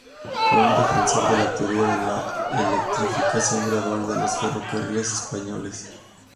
Fue un defensor de la teoría de la electrificación gradual de los ferrocarriles españoles.